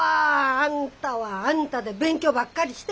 あんたはあんたで勉強ばっかりしてるやろ。